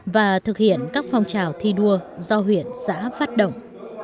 và thực hiện các phong trào thi đua do huyện xã phát động